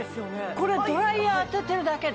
これドライヤー当ててるだけで？